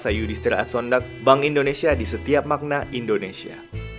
saya yudi setiraat sondag bank indonesia di setiap makna indonesia